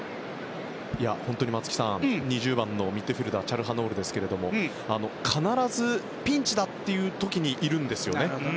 本当に、松木さん２０番のミッドフィールダーチャルハノールですが必ずピンチだという時にいるんですよね。